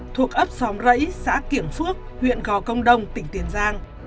thuộc ấp xóm rẫy xã kiểng phước huyện gò công đông tỉnh tiến giang